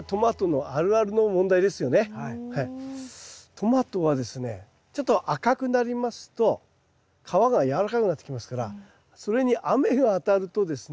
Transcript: トマトはですねちょっと赤くなりますと皮がやわらかくなってきますからそれに雨が当たるとですね